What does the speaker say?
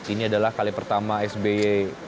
ini adalah kali pertama sby